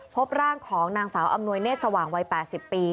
พบร่างของนางสาวอำนวยเนธสว่างวัย๘๐ปี